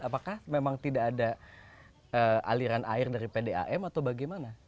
apakah memang tidak ada aliran air dari pdam atau bagaimana